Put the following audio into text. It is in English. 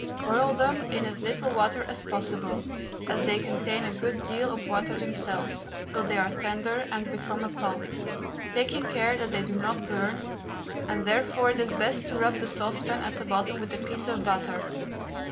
Boil them in as little water as possible, as they contain a good deal of water themselves, till they are tender and become a pulp, taking care that they do not burn, and therefore it is best to rub the saucepan at the bottom with a piece of butter.